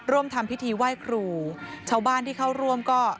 ร่วมทำพิธีไหว้ครูชาวบ้านที่เข้าร่วมก็